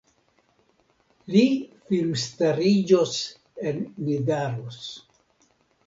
Li firmstariĝos en Nidaros.